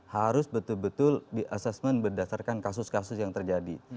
harus betul betul di assessment berdasarkan kasus kasus yang terjadi